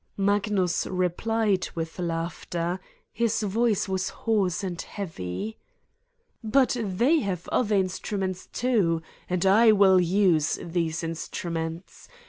Magnus replied with laughter: his voice was hoarse and heavy: "But they have other instruments, too! And I will use these instruments.